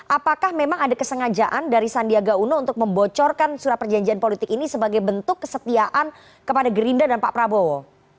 apakah memang ada kesengajaan dari sandiaga uno untuk membocorkan surat perjanjian politik ini sebagai bentuk kesetiaan kepada gerinda dan pak prabowo